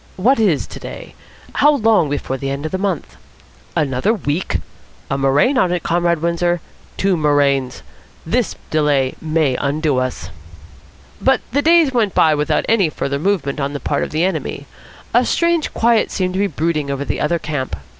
What is today? How long before the end of the month? Another week! A murrain on it, Comrade Windsor. Two murrains. This delay may undo us." But the days went by without any further movement on the part of the enemy. A strange quiet seemed to be brooding over the other camp.